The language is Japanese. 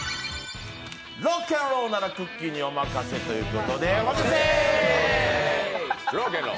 ロックンロールならくっきー！におまかせということでおまかせ！